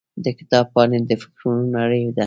د کتاب پاڼې د فکرونو نړۍ ده.